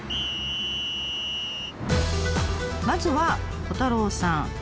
まずは虎太郎さん